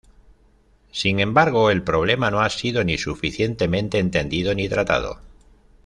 Sin embargo, el problema no ha sido ni suficientemente entendido ni tratado.